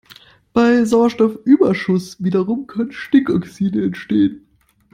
Bei Sauerstoffüberschuss wiederum können Stickoxide entstehen.